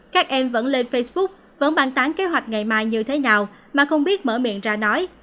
các em vẫn lên facebook vẫn bàn tán kế hoạch ngày mai như thế nào mà không biết mở miệng ra nói